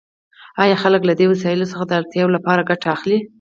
آیا خلک له دې وسایلو څخه د اړتیاوو لپاره ګټه اخلي؟